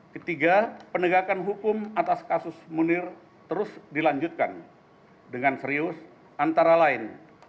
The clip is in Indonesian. ketiga penegakan hukum atas kasus munir terus dilanjutkan dengan serius antara lain